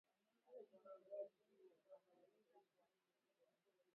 Wanyama wengi kwenye kundi wanaweza kuathiriwa